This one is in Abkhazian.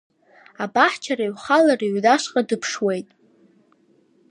Абаҳчара ҩхала рыҩнашҟа дыԥшуеит…